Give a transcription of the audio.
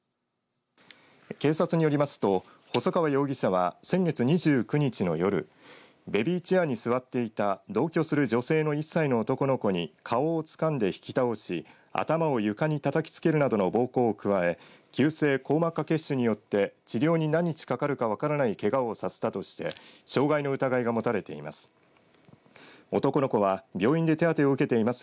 警察によりますと細川容疑者は先月２９日の夜ベビーチェアに座っていた同居する女性の１歳の男の子に顔をつかんで引き倒し頭を床にたたきつけるなどの暴行を加え急性硬膜下血腫によって治療に何日かかるか分からないけがをさせたとして傷害の疑いが持たれています。